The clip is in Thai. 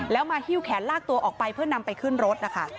แล้วมาหิ้วแขนลากตัวออกไปเพื่อนำไปขึ้นรถนะคะ